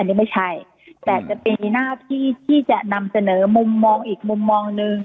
อันนี้ไม่ใช่แต่จะมีหน้าที่ที่จะนำเสนอมุมมองอีกมุมมองหนึ่ง